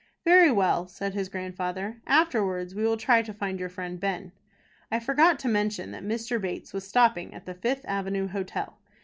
"Very well," said his grandfather. "Afterwards we will try to find your friend Ben." I forgot to mention that Mr. Bates was stopping at the Fifth Avenue Hotel.